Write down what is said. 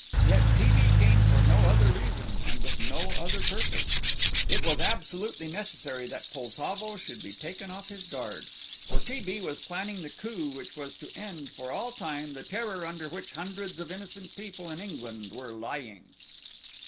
Yet T. B. came for no other reason and with no other purpose. It was absolutely necessary that Poltavo should be taken off his guard, for T. B. was planning the coup which was to end for all time the terror under which hundreds of innocent people in England were lying.